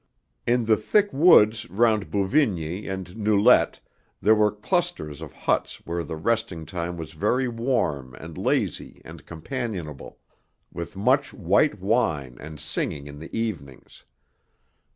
In the thick woods round Bouvigny and Noulette there were clusters of huts where the resting time was very warm and lazy and companionable, with much white wine and singing in the evenings.